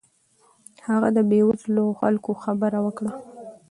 هغه د بې وزلو خلکو خبره وکړه.